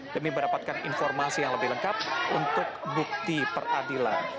demi mendapatkan informasi yang lebih lengkap untuk bukti peradilan